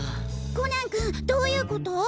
コナン君どういうこと？